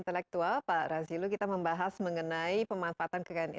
tetaplah bersama kami